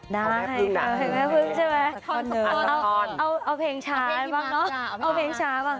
ทานเลอร์เอาเพลงช้าบ้าง